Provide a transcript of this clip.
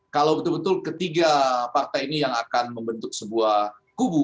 kalau betul betul ketiga partai ini yang akan membentuk sebuah kubu